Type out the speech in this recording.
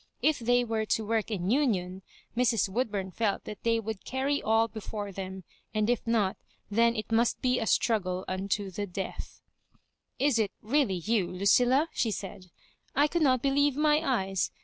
If they were to work in union, Mrs^ Woodbum felt that they would carry all before them ; and if not, then it must be a straggle unto the death. " Is it really you, Lucilla ?" she said ;" I could not believe my eyes.